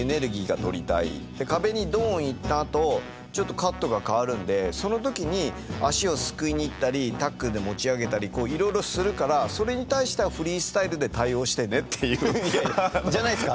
壁にドン行ったあとちょっとカットが変わるんでその時に足をすくいに行ったりタックルで持ち上げたりいろいろするからそれに対してはじゃないですか。